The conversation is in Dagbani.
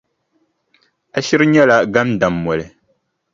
A shiri nyɛla gandammoli.